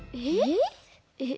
えっ？